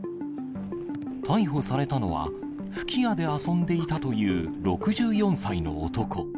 逮捕されたのは、吹き矢で遊んでいたという６４歳の男。